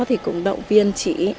thì cũng động viên chị